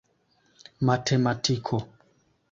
matematiko